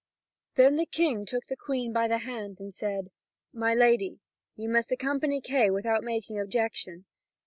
Then the King took the Queen by the hand, and said: "My lady, you must accompany Kay without making objection."